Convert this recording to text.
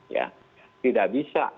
ya tidak bisa